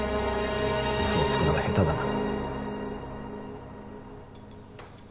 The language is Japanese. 嘘をつくのが下手だな。